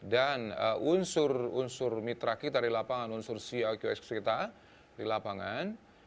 dan unsur unsur mitra kita di lapangan unsur caqs kita di lapangan